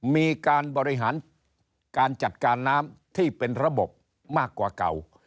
มีการบริหารการจัดการน้ำที่เป็นระบบมากกว่าเก่า